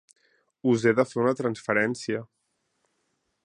Us he de fer una transferència.